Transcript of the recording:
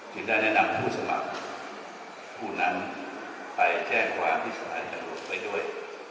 จึงได้แนะนำผู้สมัครผู้นั้นไปแช่งความพิสัยทางหลวงไปด้วย